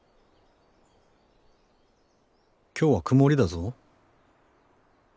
今日は曇りだぞ。